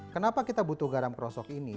kenapa kita butuh garam perosok ini